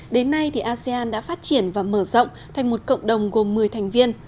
đến nay thì asean đã phát triển và mở rộng thành một cộng đồng gồm một mươi thành viên